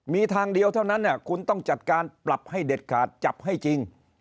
มีทางเดียวเท่านั้นคุณต้องจัดการปรับให้เด็ดขาดจับให้จริง